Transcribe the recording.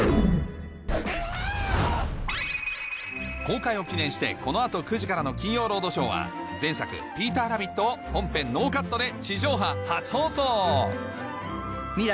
公開を記念してこの後９時からの『金曜ロードショー』は前作『ピーターラビット』を本編ノーカットで地上波初放送未来